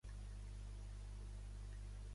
Va morir en exili sense canviar el seu punt de vista.